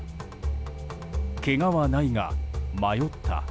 けがはないが迷った。